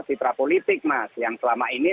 citra politik mas yang selama ini